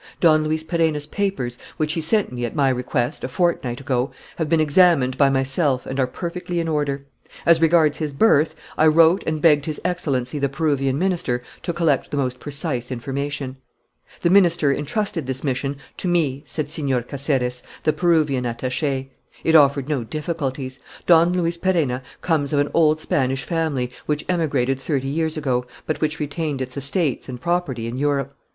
"Don Luis Perenna's papers, which he sent me, at my request, a fortnight ago, have been examined by myself and are perfectly in order. As regards his birth, I wrote and begged his Excellency the Peruvian minister to collect the most precise information." "The minister entrusted this mission to me," said Señor Caceres, the Peruvian attaché. "It offered no difficulties. Don Luis Perenna comes of an old Spanish family which emigrated thirty years ago, but which retained its estates and property in Europe.